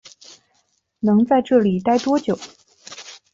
能在这里待多久